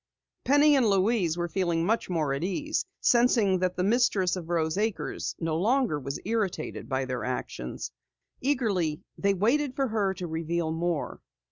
Penny and Louise were feeling much more at ease, sensing that the mistress of Rose Acres no longer was irritated by their actions. Eagerly they waited for her to reveal more.